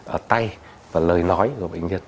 ở tay và lời nói của bệnh nhân